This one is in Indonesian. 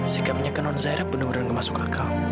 sikapnya ke nonzairah bener bener gak masuk akal